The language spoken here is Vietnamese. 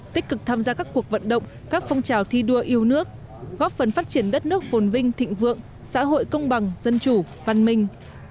tích cực tham gia các cuộc vận động các phong trào thi đua yêu nước góp phần phát triển đất nước phồn vinh thịnh vượng xã hội công bằng dân chủ văn minh